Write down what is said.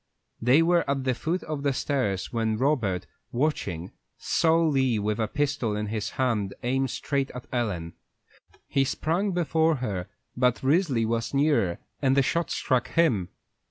They were at the foot of the stairs, when Robert, watching, saw Lee with a pistol in his hand aim straight at Ellen. He sprang before her, but Risley was nearer, and the shot struck him.